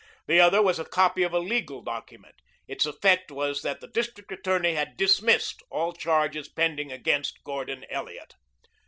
The other was a copy of a legal document. Its effect was that the district attorney had dismissed all charges pending against Gordon Elliot.